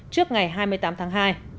trước ngày hai mươi tám tháng hai